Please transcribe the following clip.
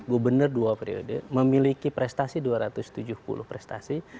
gubernur dua periode memiliki prestasi dua ratus tujuh puluh prestasi